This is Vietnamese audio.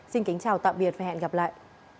xin kính chào và hẹn gặp lại